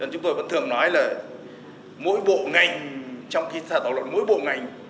chúng tôi vẫn thường nói là mỗi bộ ngành trong khi thảo luận mỗi bộ ngành